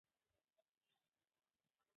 چاپیریال ساتل د ژوند کیفیت لوړوي.